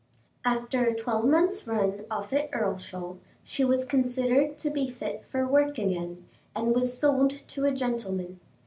After a twelvemonth's run off at Earlshall, she was considered to be fit for work again, and was sold to a gentleman.